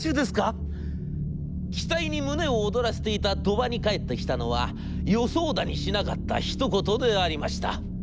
期待に胸を躍らせていた鳥羽に返ってきたのは予想だにしなかったひと言でありました。